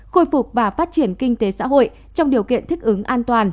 khôi phục và phát triển kinh tế xã hội trong điều kiện thích ứng an toàn